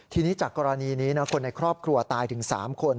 ทีนี้จากกรณีนี้คนในครอบครัวตายถึง๓คน